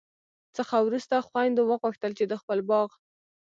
څخه وروسته خویندو وغوښتل چي د خپل باغ